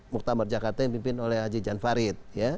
muktamar jakarta yang dipimpin oleh haji jan farid